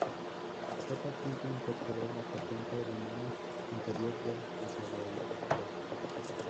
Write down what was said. Esta patente incorporó la patente alemana anterior del desarrollador.